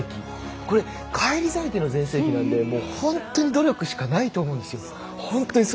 これ返り咲いての全盛期なので本当に努力しかないと思うんです。